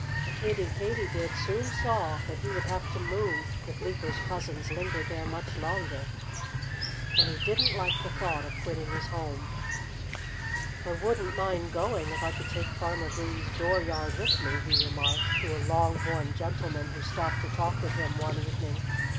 Kiddie Katydid soon saw that he would have to move, if Leaper's cousins lingered there much longer. And he didn't like the thought of quitting his home. "I wouldn't mind going, if I could take Farmer Green's dooryard with me," he remarked to a long horned gentleman who stopped to talk with him one evening.